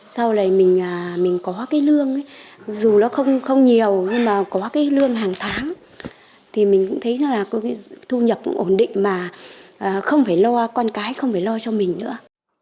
sau này mình có lương dù nó không nhiều nhưng mà có lương hàng tháng thì mình cũng thấy thu nhập ổn định mà không phải lo con cái không phải lo cho mình nữa